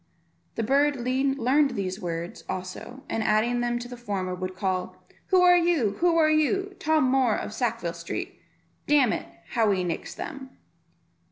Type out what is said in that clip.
The bird learned these words also, and adding them to the former, would call, "Who are you? who are you? Tom Moor of Sackville Street. Damn it, how he nicks them."